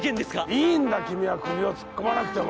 いいんだ君は首を突っ込まなくても。